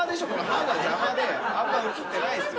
歯が邪魔であんま映ってないっすよ。